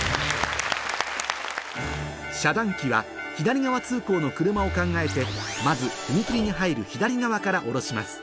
遮断機は左側通行の車を考えてまず踏切に入る左側から下ろします